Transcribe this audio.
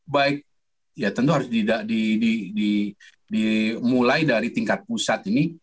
baik ya tentu harus dimulai dari tingkat pusat ini